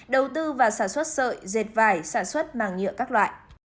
đầu tư và sản xuất sợi dệt vải sản xuất màng nhựa các loại